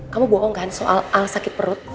kamu bohong kan soal al sakit perut